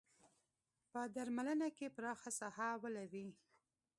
په درملنه کې پراخه ساحه ولري.